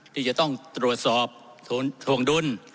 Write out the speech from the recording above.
ที่จะต้องตรวจสอบทวงดุล